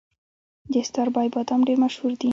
د ستاربای بادام ډیر مشهور دي.